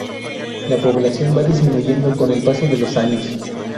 La población va disminuyendo con el paso de los años.